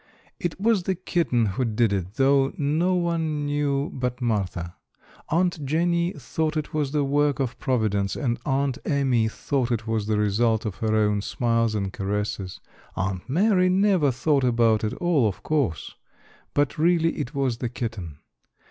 It was the kitten who did it, though no one knew but Martha. Aunt Jenny thought it was the work of Providence and Aunt Amy thought it was the result of her own smiles and caresses. Aunt Mary never thought about it at all, of course. But really it was the kitten.